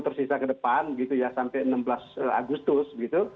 tersisa ke depan sampai enam belas agustus